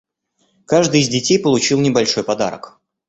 Каждый из детей получил небольшой подарок.